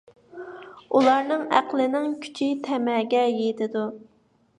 ئۇلارنىڭ ئەقلىنىڭ كۈچى تەمەگە يېتىدۇ.